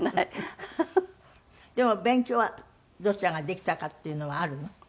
でも勉強はどちらができたかっていうのはあるの？